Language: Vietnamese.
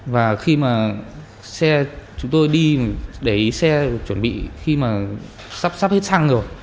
và khi mà xe chúng tôi đi để ý xe chuẩn bị khi mà sắp sắp hết xăng rồi